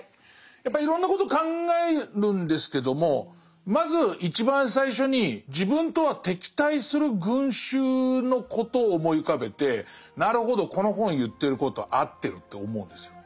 やっぱりいろんなこと考えるんですけどもまず一番最初に自分とは敵対する群衆のことを思い浮かべてなるほどこの本言ってることは合ってると思うんですよ